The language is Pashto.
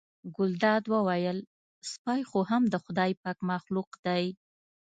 ګلداد وویل سپی خو هم د خدای پاک مخلوق دی.